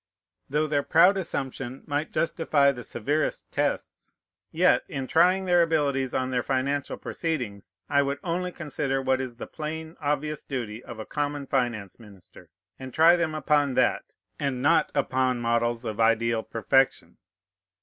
Though their proud assumption might justify the severest tests, yet, in trying their abilities on their financial proceedings, I would only consider what is the plain, obvious duty of a common finance minister, and try them upon that, and not upon models of ideal perfection.